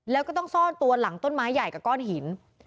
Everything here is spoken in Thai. แล้วก็ต้องซ่อนตัวหลังต้นไม้ใหญ่กับก้อนหิน